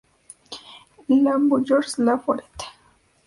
Le Bourgneuf-la-Forêt